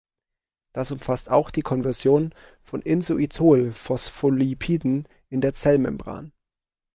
Das umfasst auch die Konversion von Inositol-Phospholipiden in der Zellmembran.